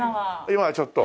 今はちょっと？